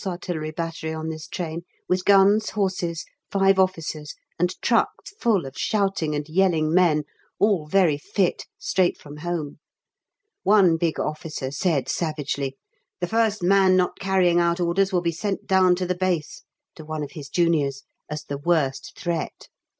A. Battery on this train with guns, horses, five officers, and trucks full of shouting and yelling men all very fit, straight from home. One big officer said savagely, "The first man not carrying out orders will be sent down to the base," to one of his juniors, as the worst threat.